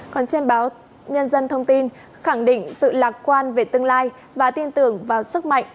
còn trên báo nhân dân thông tin khẳng định sự lạc quan về tương lai và tin tưởng vào sức mạnh